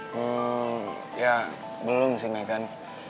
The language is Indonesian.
hmm ya belum sih megan